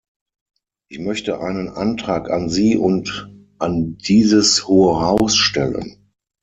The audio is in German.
Ich möchte einen Antrag an Sie und an dieses Hohe Haus stellen.